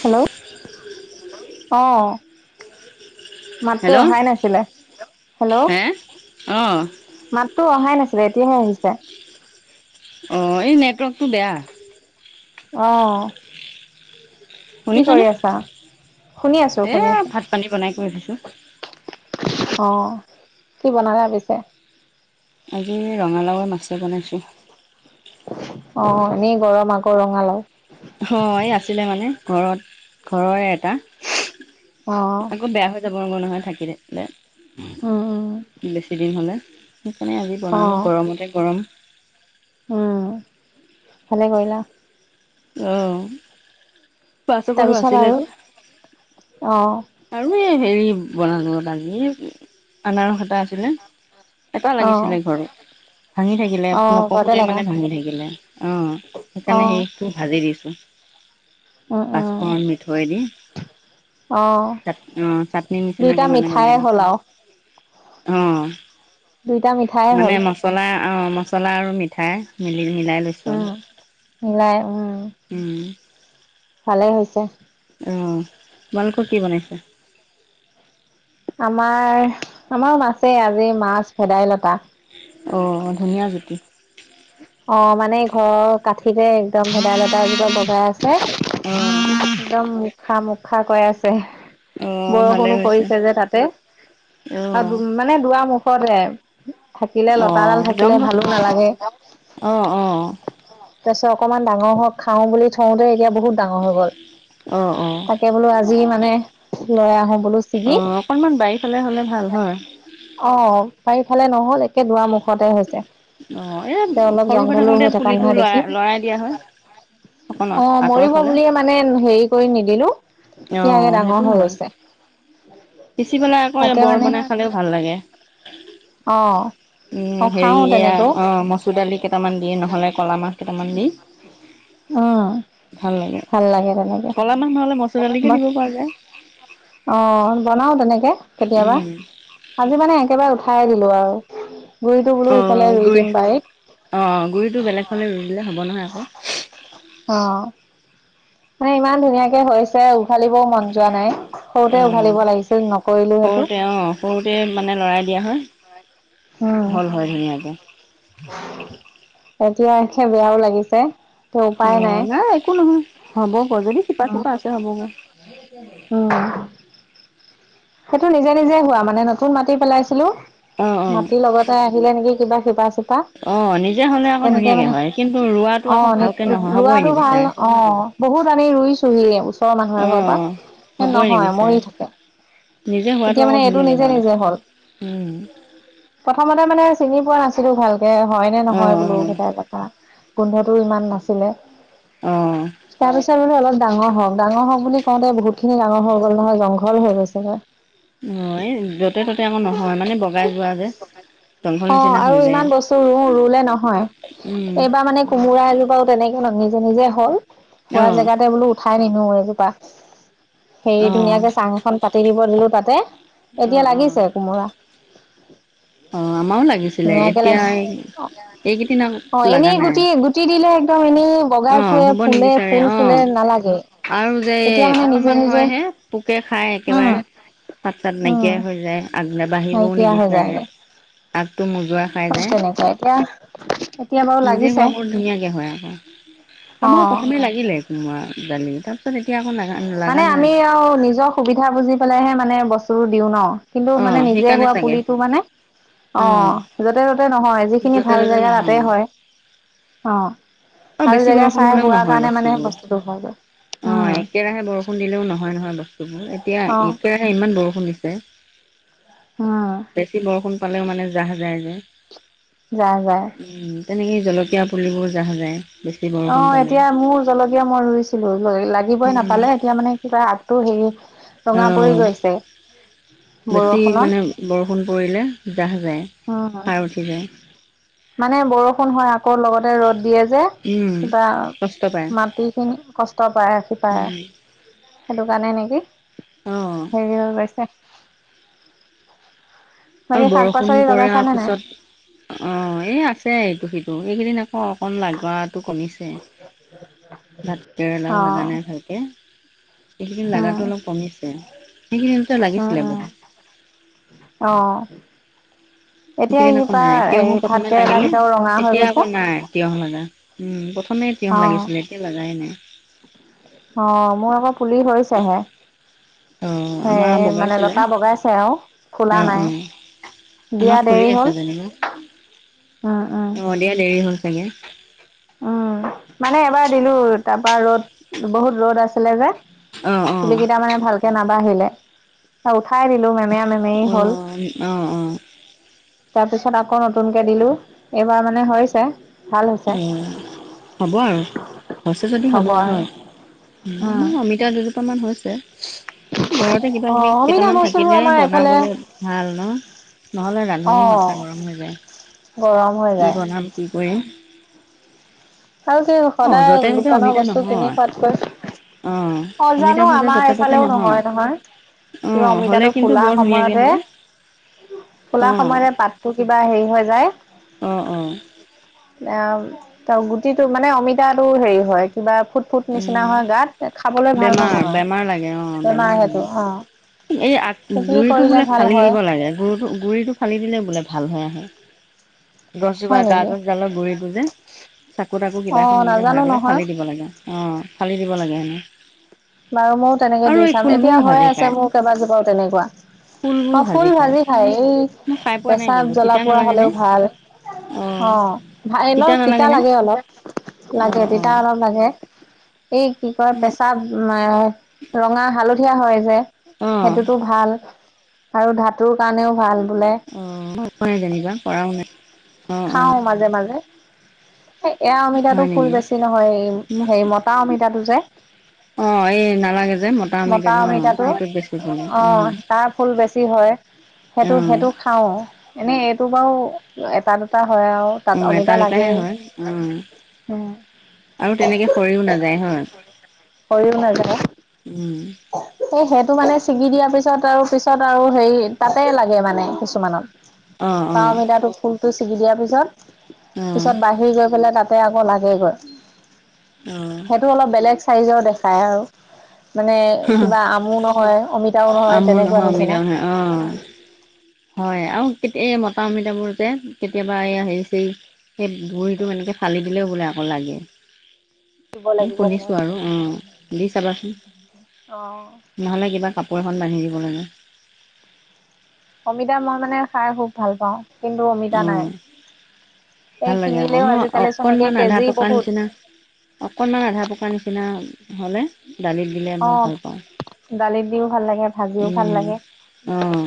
Hello অ'। মাতটো hello অহাই নাছিলে, হেল্ল', হে অঁ মাতটো অহাই নাছিল। এতিয়াহে আহিছে। অ এই নেটৱৰ্কটো বেয়া। অহ। কি শুনিছনে কৰি আছা শুনি আছো এ শুনি আছো। ভাত পানী বনাই কৰি থৈছোঁ অ কি বনালা পিছে? আজি ৰঙালাওৰ মাছেই বনাইছোঁ। অ', এনেই গৰম আকৌ ৰঙালাও। হয় আছিলে মানে ঘৰত ঘৰৰে এটা অ' আকৌ বেয়া হৈ যাবগৈ নহয় থাকিলে উম উম বেছিদিন হ'লে। সেইকাৰণে আজি বনালোঁ অ' গৰমতে গৰম উম ভালে কৰিলা। অ', পছ [unintelligible] কোনো তাৰপিছত আছিলে আৰু যে অ' আৰু এই হেৰি বনালোঁ লাগি আনাৰস এটা আছিলে। এটা অ' লাগিছিলে ঘৰত। ভাঙি থাকিলে অ' ঘৰতে নপকোতে লাগা মানে ভাঙি থাকিলে অ', সেইকাৰণে অ' সেইটো ভাজি দিছো। উম উম পাঁচফোৰন মিঠৈ দি। অ' অ', চাটনিৰ দুইটা নিচিনাকৈ মানে মিঠায়ে বনাই হ'ল দিছোঁ আৰু অ'। দুইটা মিঠায়ে হ'ল। মানে মছলা অ', মছলা আৰু মিঠাই, মিলি মিলাই দিছো উম মিলাই উম আৰু। ভালেই হৈছে। অ', তোমালোকৰ কি বনাইছে? আমাৰ, আমাৰো মাছেই আজি মাছ ভেদাইলতা। অ', ধুনীয়া জুতি। অ', মানে ঘৰৰ কাঠিতে একদম ভেদাইলতা এজোপা বগাই আছে অ' একদম মুখা মুখা কৈ আছে। অ' ভালে বৰষুণো হৈছে। পৰিছে যে তাতে আৰু অ' মানে দুৱাৰ মুখতে থাকিলে অ' লতাডাল থাকিলে জংঘল ভালো নালাগে। অ', অ'। তাৰপিছত অকমান ডাঙৰ হওঁক খাওঁ বুলি থওঁতে এতিয়া বহুত ডাঙৰ হৈ গ'ল অ' অ' তাকে বোলো আজি যি মানে ল'ৰা আহে চিগি, অ' অকনমান বাৰীফালে হ'লে ভাল হয়। অ', পাৰিফালে [unintelligible] নহ'ল দুৱাৰ মুখতে হৈছে অ' এই তে অলপ সৰু জংঘলো থাকোতে হৈ থকা পুলিটো নহয় দেখি লৰাই লৰাই দিয়া হয়। অকণ অ', আঁতৰ মৰিব ফালে। বুলিয়ে মানে হেৰি কৰি নিদিলো। এয়াকে অ' ডাঙৰ সেইটো হৈ হয়। গৈছে। পিচি পেলাই আকৌ তাকে বৰ মানে বনাই খালেও ভাল লাগে। অ অ উম খাও হেৰিয়া তেনেকেও অ', মচুৰ দালি কেইটামান দিয়ে নহ'লে কলা মাহ কেইটামান দি। আহ। ভাল লাগে ক'লা মাহ নহ'লে মচুৰ দালিকে বা দিব পৰা যায়। অ', বনাও তেনেকে। কেতিয়াবা উম। আজি মানে একেবাৰে উঠাই দিলো আৰু। গুৰিটো বোলো সিফালে অ' ৰুই গুৰি দিম অ' গুৰিটো বাৰীত। বেলেগ ফালে ৰুই দিলে হ'ব নহয় আকৌ। অ'। মানে ইমান ধুনীয়াকে হৈছে। উঘালিবও মন যোৱা নাই সৰুতে অ' উঘালিব লাগিছিল নকৰিলো সেইটো সৰুতে অ' সৰুতে মানে লৰাই দিয়া হয়। উম হল হৈ নীয়াকে। এতিয়া বেয়াও লাগিছে। ত উপায় অ', নাই একো নহয় হ'ব গৈ যদি শিপা-চিপা আছে হ'ব গৈ উম। সেইটো নিজে নিজে হোৱা মানে নতুন মাটি পেলাইছিলো অ' অ'। মাটি লগতে আহিলে নেকি কিবা শিপা অ' নিজে হ'লে আকৌ তেনেকে ধুনীয়াকে মানে হয়, কিন্তু ৰোৱাটো আকৌ অ', ভালকে নহয় হ'বই ৰোৱাটো ভাল নিবিচাৰে। অ'। বহুত আনি ৰুইছোহি ওচৰৰ মানুহ এঘৰৰ অ' পৰা হ'বই নহয় মৰি নিবিচাৰে। থাকে। নিজে হোৱাটো এতিয়া আকৌ মানে এইটো ধুনীয়াকে নিজে হয়। নিজে হ'ল। প্ৰথমতে মানে চিনি পোৱা নাছিলো ভালকে হয় নে অ অ নহয় বোলো সটাই [unintelligible] কথা গোন্ধটো ইমান নাছিলে, অ তাৰপিছত মানে কিন্তু অলপ ডাঙৰ হওঁক, ডাঙৰ হওঁক বুলি কওঁতে বহুত খিনি ডাঙৰ হৈ গ'ল নহয়। জংঘল হৈ গৈছে গৈ অ', য'তে ত'তে আকৌ নহয়। মানে বগাই যোৱা যে জংঘল অ', নিচিনা আৰু হৈ যায়। ইমান বস্তু ৰুউ ৰুলে নহয় এইবাৰ মানে কোমোৰা এজোপাওঁ তেনেকে [unintelligible] নিজে, নিজে হ'ল অ হোৱা জেগাতে বোলো উঠাই নিনো এজোপা। অ হেৰি ধুনীয়াকে অ চাং এখন পাতি দিব দিলোঁ তাতে, এতিয়া অ লাগিছে কোমোৰা। [inaudible] অ আমাৰো লাগিছিলে ধুনাকে এতিয়া লাগিছে এইকেইদিন অ' লগা এনেই নাই গুটি, গুটি দিলে একদম, এনেই অ বগাই ফুৰে হ'ব ফুলে নিবিচাৰে ফুল অ ফুলে নালাগে আৰু যে এতিয়া মানে নিজে অকনমান নিজে হয় হে পোকে খাই উম একেবাৰে পাত-চাত উম নাইকিয়াই হৈ যায় আগ নাবাঢ়িবও নাইকিয়া হৈ নিবিচাৰে যায়গে টো মোজোৰা খাই চব যায়। তেনেকুৱা এতিয়া এতিয়া বাৰু নিজে লাগিছে হোৱাবোৰ ধুনীয়াকৈ হয় আকৌ অ আমাৰো প্ৰথমে লাগিলে কোমোৰা জালি, তাৰ পিছত এতিয়া আকৌ নাই। লগা মানে লগা আমি আৰু নিজৰ সুবিধা বুজি পেলাইহে মানে বস্তুোবোৰ দিওঁ ন' কিন্তু মানে অ' নিজে সেইকাৰণে হোৱা চাগে পুলিটো মানে অ', য'তে ত'তে নহয় যিখিনি য'তে ভাল ত'তে জেগা নহয়। তাতে হয়। অ' অ', ভাল বেছি জেগা বৰষুণ চাই হ'লেও হোৱা নহয় কাৰণে মানে বস্তুবোৰ বস্তুটো হয়গৈ। অ' একেৰাহে বৰষু বৰষুণ দিলেওঁ নহয়, নহয় বস্তুবোৰ এতিয়া অ', একে ইমান বৰষুণ দিছে। বেছি বৰষুণ পালেও মানে জাহ যায় যে জাহ যায়। উম, তেনেকেই জলকীয়া পুলিবোৰ যাহ যায় বেছি অ বৰষুণ পালে এতিয়া মোৰ জলকীয়া মই ৰুইছিলো লাগিবই উম, নাপালে এতিয়া মানে কিবা আগটো হেৰি ৰঙা অ পৰি গৈছে বেছি বৰষুণত। মানে বৰষুণ পৰিলে যাহ যায় উ, হয়। সাৰ উঠি যায় মানে বৰষুণ হয় আকৌ লগত ৰ'দ দিয়ে যে উম, কিবা কষ্ট পায় মাটি খিনি কষ্ট পায় শিপায়ে। উম, সেইটো কাৰণে নেকি অ'। হেৰি হৈ গৈছে। আৰু বাকী শাক বৰষুণ পাচলি পৰা লগাইছানে নাই? পিছত অ, এ আছে এইটো সিটো তো এইকিদিন ন আকৌ অকমান লাগোৱাটো কমিছে। ভাত কেৰেলাও লাগা অ'। নাই ভালকে। এইকেইদিন লাগাটো উম, অলপ কমিছে। সেইগিদিনতে উম, লাগিছিলে উম, বহুত। অ'। এতিয়া একিদিন আক' ইপা নাই হেৰি তিয়হো ভাত প্ৰথমে কেৰেলা লাগিলে, কেইটাও ৰঙা হৈ এতিয়া গৈছে। আকৌ নাই তিয়হ লাগা। উম, প্ৰথমে তিয়হ অ', লাগিছিলে এতিয়া লাগাই নাই। হৈছে হে। অ সেই আমাৰ মানে বগাইছিলে লতা বগাইছে আৰু অ ফুলা অ নাই। দিয়া আমাৰ ফুলি দেৰি হ'ল। আছে যেনিবা। উম, উম, অ, দিয়া দেৰি হ'ল চাগে। উম, মানে এবাৰ দিলো তাপা ৰ'দ বহুত ৰ'দ আছিলে যে অ অ পুলি কিটা মানে ভালকে নাবাঢ়িলে খাই দিলোঁ মেমেয়া, মেমেয়ী অ হ'ল। অ অ তাৰপিছত আকৌ নতুনকে দিলোঁ, এইবাৰ মানে হৈছে। ভাল হৈছে উম, হ'ব আৰু হৈছে যদি হ'ব, হয়। উম, আমা অমিতা দুজোপামান হৈছে। ঘৰতে কিবা কিবি অ', অমিতা কেইটামান বস্তুবোৰ থাকিলে আমাৰ এইফালে বনাবলে ভাল ন? নহ'লে ৰান্ধনি মাথা অ', গৰম হৈ যায়। গৰম হৈ কি যায়। বনাম, কি কৰিম। আৰু কি অ সদায় য'তে ত'তে দোকানৰ অমিতা বস্তু কিনি নহয় খোৱাতকৈ অ অ, জানো অমিতাবোৰ যে আমাৰ য'তে ত'তে এফালেও নহয়, নহয়। অ কিবা হ'লে অমিতাটো কিন্তু ফুলা বৰ ধুনীয়াকে সময়তে হয় অ ফুলা সময়তে পাতটো কিবা হেৰি হৈ যায়। অ, অ। এয়া ত' গুটিটো মানে অমিতাটো হেয়ি হয়, কিবা ফুট, ফুট নিচিনা উম হয়, গাত। খাবলে ভাল বেমাৰ নহয়, বেমাৰ লাগে অ বেমাৰ হেটো লাগে অ'। এই আগ সেইখিনি গুৰিটো কৰিলে বোলে ভাল ফালি হয়, দিব লাগে, গুৰুটো-গুৰিটো ফালি দিলে বোলে ভালহে আহে। গছজোপা হয় গা নেকি? গছডালৰ গুৰিটো যে, চাকু তাকু কিবা এখন অ', এনেকে ভৰাই নাজানো পেলাই নহয় ফালি দিব লাগে। অ', ফালি দিব লাগে হেনো। বাৰু মও তেনেকে আৰু দি এই চাম, এতিয়া ফুলবোৰো হৈ ভাজি আছে খায় মোৰ কেবাজোপাও তেনেকুৱা। অ', ফুল ভাজি খায়, মই খাই এই পোৱা নাই পেচাব কিন্তু জ্বলা তিতা পুৰা নালাগেনে হ'লেও ভাল। অঁ অ', ভাই ন' তিতা লাগে অলপ। লাগে, অঁ তিতা অঁ অলপ লাগে। এই কি কয়, পেচাব এ, ৰঙা, হালধীয়া হয় যে, অঁ সেটোতো ভাল, আৰু ধাতুৰ কাৰণেও ভাল। বোলে অ', [unintelligible] যেনিবা কৰাও নাই। অঁ অঁ খাওঁ মাজে, মাজে। এ-এইয়া অমিতাটো হয় ফুল নেকি বেছি নহয়, এই‌ মোক হেই মতা অমিতাটো যে অঁ এই নালাগে যে মতা অমিতাত অঁ অমিতাটো সেইটোত বেছি ফুলে অ', তাৰ ফুল বেছি হয়। সেটো, অঁ সেটো খাওঁ এনেই এইটো বাউ এটা, দু অ', এটা, দুটাহে হয়, অ'। উম আৰু তেনেকে সৰিও নাযায় হয়। সৰিও নেযায়। এ, সেটো মানে ছিগি দিয়াৰ পিছত আৰু পিছত আৰু হেৰি তাতে লাগে মানে কিছুমানত। অঁ বা অঁ অমিতাটো ফুলটো ছিগি দিয়াৰ পিছত, পিছত বাঢ়ি গৈ পেলাই তাত তাতে আকৌ লাগেগৈ, অঁ সেইটো অলপ বেলেগ চাইজৰ দেখায় আৰু। মানে অঁ কিবা আমো নহয়, অমিতাও নহয় আমু তেনেকুৱা অমিতা নিচিনা। নহয় অ', হয় আৰু কেতিয়া এই মতা অমিতাবোৰ যে কেতিয়াবা এয়া হেৰি চেৰি সেই গুড়িটো এনেকে ফালি দিলেও বোলে আকৌ লাগে। দিব মই লাগিব শুনিছোঁ আৰু অ', দি চাবাচোন। অ নহ'লে কিবা কাপোৰ এখন বান্ধি দিব লাগে। অমিতা মই মানে খাই খুব ভাল পাওঁ কিন্তু অমিতা নাই। অ', এই ভাল লাগে আকৌ, কিনিলেও মই আজিকালি চোন একে অকনমান আধা কেজি পকা বহুত নিচিনা অকণমান আধা পকাৰ নিচিনা হ'লে দালিত দিলে অ মই ভাল পাওঁ। দালিত দিও ভাল লাগে ভাজিও ভাল উম, লাগে অ',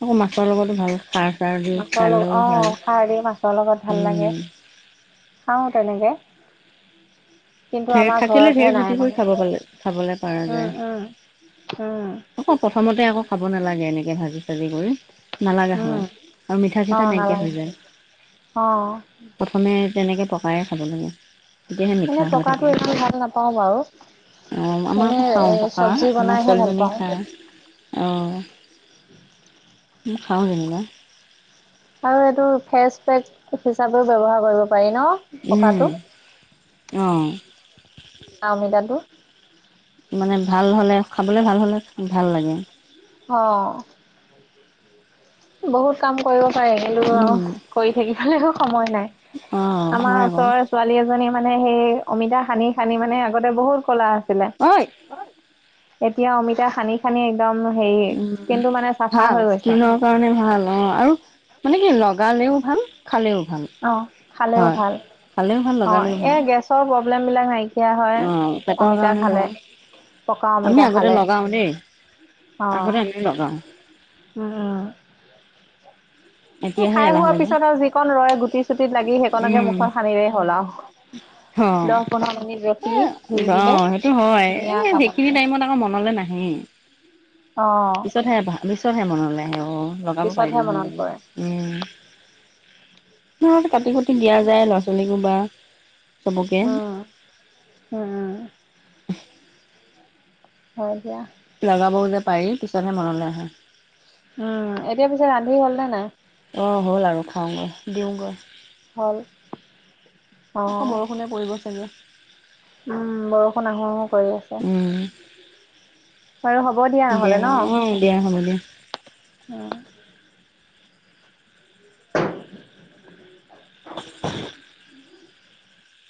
আকৌ মাছৰ লগটো ভাল। খাৰ চাৰ দি মাছৰ খালেও লগত ভাল অ', খাৰ দি মাছৰ লগত ভাল উম, লাগে, খাওঁ তেনেকে। কিন্তু ঢেৰ আমাৰ থাকিলে, ঢেৰ ঘৰতহে নাই জুতি কৰি মানে খাব পে-খাবলৈ পাৰা উম যায়। উম উম আকৌ প্ৰথমতে আকৌ খাব নালাগে এনেকে ভাজি চাজি কৰি। নালাগা উম হয় আৰু মিঠা অ চিঠা নাইকিয়া নালাগে হৈ যায়, অ প্ৰথমে তেনেকৈ প্ৰকাৰে খাব লাগে, তেতিয়াহে এনে মিঠা হৈ থাকে পকাটো একো ভাল নাপাওঁ বাৰু অঁ আমাৰ আকৌ খাওঁ এনেই পকা চব্জি আমাৰ বনাইহে ভাল ছোৱালীজনীয়ে পাওঁ। [inaudible] খায় দে পাওঁনলে। আৰু এইটো ফেচ পেক হিচাপেও ব্যৱহাৰ কৰিবাৰ। পাৰি ন পকাটো। অঁ আ, অমিতাটো। মানে ভাল হ'লে, খাবলৈ ভাল হ'লে ভাল লাগে। অ'। বহুত কাম কৰিব। হয় কিন্তু কৰি থাকিবলৈও সময় নাই, অঁ আমাৰ হয় আকৌ ওচৰৰ ছোৱালী এজনী মানে সেই অমিতা সানি - সানি মানে আগতে বহুত কলা আছিলে। ঐ এতিয়া অমিতা খানি খানি এক। উম ভাল হৈ গৈছে। স্কিনৰ কাৰণে ভাল। অ আৰু মানে কি লগালেও ভাল খালেও ভাল। অঁ খালেও হয় ভাল খালেও ভাল অঁ লগালেও ভাল এই গেছৰ প্ৰব্লেমবিলাক নাইকি। এতিয়া হয় অ', পেটৰ অমিতা কাৰণে খালে ভাল। পকা আমি অমিতা আগতে খালে। লগাও দেই, অঁ আগতে আমি লগাও, উম উম। স এতিয়াহে খাই এলাহ হোৱা লাগে। পিছত আৰু যিকন ৰয় গুটি চুটিত লাগি সেইকণকে উম, মুখত সানিৰে হ'ল আৰু। অ এ ধুই অ দিলে সেইটো একদম হয় এ ধুনীয়া কামত সেইখিনি দিয়ে। টাইমত আকৌ মনত। লে নাহি। [inaudible] পিছতহে পিছতহে মনলৈ আহে অ লগাব পিছতহে পাৰিলো হে মনত বুলি। পৰে ঘৰত কাটি কুতি দিয়া যায় ল'ৰা ছোৱালীকো বা। চবকে। উম উম উম। [inaudible] হয় দিয়া। লগাবও যে পাৰি পিছতহে মনলৈ আহে। অহ এতিয়া পিছে ৰান্ধি হল নে নাই অ হ'ল আৰু খাওগৈ দিওগৈ হ'ল আকৌ অঁ। বৰষুণে পৰিব চাগে উম বৰষুণ আহো আহো কৰি আছে উম, বাৰু হ'ব দিয়া নহ'লে অ', দিয়া হ'ব দিয়া। ন উম [unintelligible]